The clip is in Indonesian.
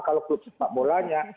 kalau klub sepak bolanya